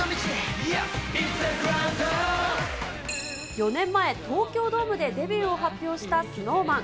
４年前、東京ドームでデビューを発表したＳｎｏｗＭａｎ。